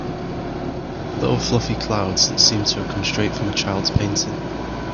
Little fluffy clouds that seemed to have come straight from a child’s painting.